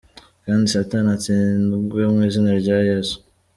Kandi satan atsindwe mu izina rya Yezu!.